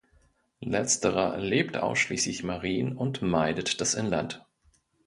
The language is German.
Letzterer lebt ausschließlich marin und meidet das Inland.